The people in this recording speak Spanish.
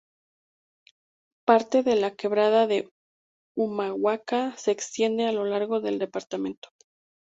Parte de la Quebrada de Humahuaca se extiende a lo largo del departamento.